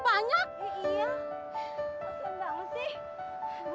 masih enggak ngesih